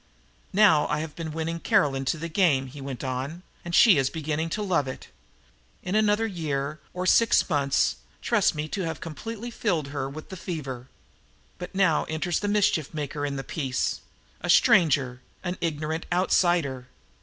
"Now I have been winning Caroline to the game," he went on, "and she is beginning to love it. In another year, or six months, trust me to have completely filled her with the fever. But now enters the mischief maker in the piece, a stranger, an ignorant outsider.